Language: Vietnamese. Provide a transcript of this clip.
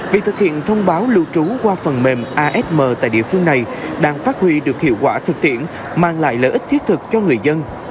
việc thực hiện thông báo lưu trú qua phần mềm asm tại địa phương này đang phát huy được hiệu quả thực tiễn mang lại lợi ích thiết thực cho người dân